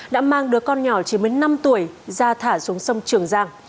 đã mang đứa con nhỏ chỉ mới năm tuổi ra thả xuống sông trường giang